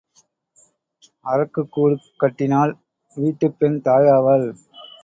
அரக்குக் கூடு கட்டினால் வீட்டுப் பெண் தாய் ஆவாள்.